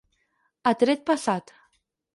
A tret passat.